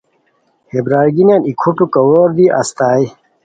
ہے برارگینیان ای کھوٹو کوؤر دی استائے